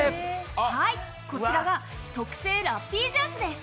こちらが特製ラッピージュースです。